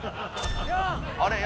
あれ？